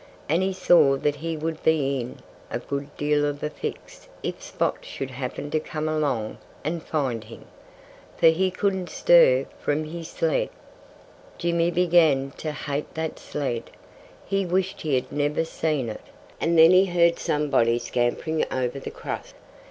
And he saw that he would be in a good deal of a fix if Spot should happen to come along and find him. For he couldn't stir from his sled. Jimmy began to hate that sled. He wished he had never seen it.... And then he heard somebody scampering over the crust.